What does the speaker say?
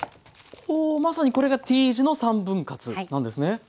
ほおまさにこれがＴ字の３分割なんですね。